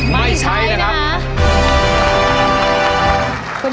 ไม่ใช่นะครับ